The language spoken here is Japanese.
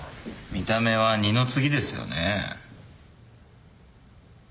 見た目は二の次ですよねぇ。